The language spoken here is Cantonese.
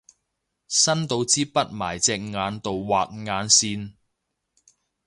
伸到支筆埋隻眼度畫眼線